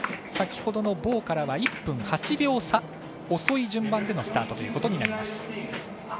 先ほどのボーからは１分８秒差遅い順番でのスタートということになります。